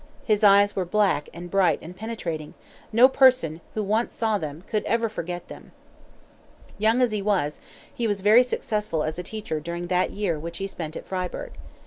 His eyes were black and bright and penetrating no person who once saw them could ever forget them. Young as he was, he was very successful as a teacher during that year which he spent at Fryeburg.